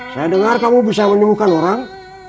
saya dengar kamu bisa menyuguhkan orang